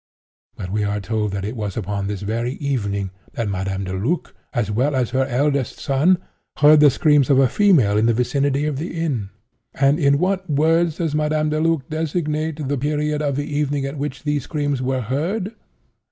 But we are told that it was upon this very evening that Madame Deluc, as well as her eldest son, 'heard the screams of a female in the vicinity of the inn.' And in what words does Madame Deluc designate the period of the evening at which these screams were heard?